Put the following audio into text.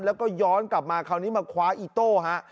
แล้วก็ย้อนกลับมาคราวนี้มาคว้าอีโต้ฮะ